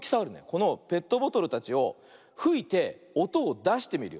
このペットボトルたちをふいておとをだしてみるよ。